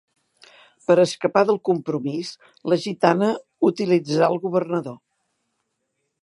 Per escapar del compromís, la gitana utilitzarà al governador.